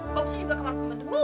bagus juga kamar pembantu gua